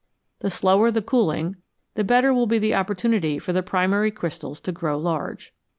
The slower the cool ing, the better will be the opportunity for the primary crystals to grow large.